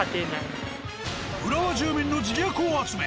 浦和住民の自虐を集め